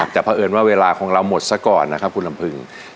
แต่เพราะเอิญว่าเวลาของเราหมดซะก่อนนะครับคุณลำพึง